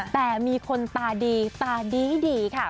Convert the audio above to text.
แต่มีคนตาดีตาดีค่ะ